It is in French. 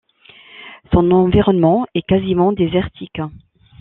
Son environnement est quasiment désertique.